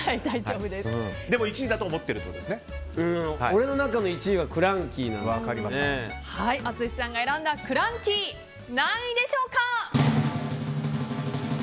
でも１位だと俺の中の１位は淳さんが選んだクランキー何位でしょうか？